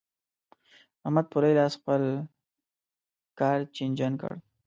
احمد په لوی لاس خپل کار چينجن کړ.